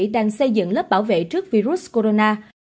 đang xây dựng lớp bảo vệ trước virus corona